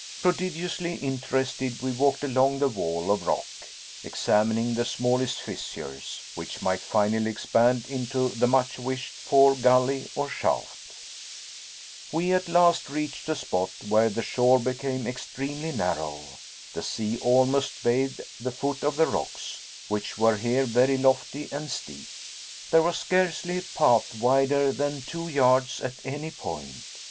Prodigiously interested, we walked along the wall of rock, examining the smallest fissures, which might finally expand into the much wished for gully or shaft. We at last reached a spot where the shore became extremely narrow. The sea almost bathed the foot of the rocks, which were here very lofty and steep. There was scarcely a path wider than two yards at any point.